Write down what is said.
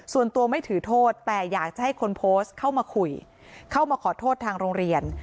ส่วนตัวไม่ถือโทษแต่อยากจะให้คนโพสต์เข้ามาคุยเข้ามาขอโทษทางโรงเรียน